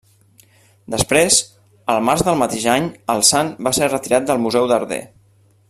Després, al març del mateix any el san va ser retirat del Museu Darder.